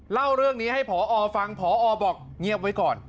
เล่าเรื่องนี้ให้พอฟังพอบอกเงียบไว้ก่อน